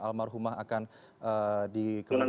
almarhumah akan dikeluarkan